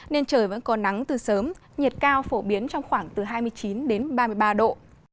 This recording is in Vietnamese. nên trời vẫn có nắng từ sớm nhiệt cao phổ biến trong khoảng từ hai mươi chín đến ba mươi ba độ